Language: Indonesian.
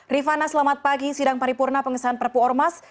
rifana selamat pagi sidang paripurna pengesahan perpu ormas